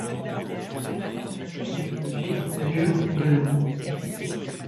Cette formation géologique mesure de long.